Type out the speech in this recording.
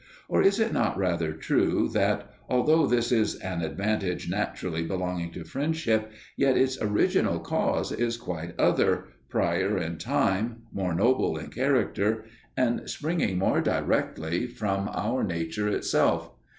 Or is it not rather true that, although this is an advantage naturally belonging to friendship, yet its original cause is quite other, prior in time, more noble in character, and springing more directly from our nature itself?